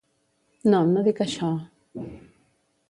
No, no dic això.